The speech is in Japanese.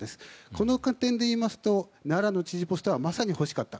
その観点でいいますと奈良の知事ポストはまさに欲しかった。